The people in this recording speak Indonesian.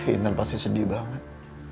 intan pasti sedih banget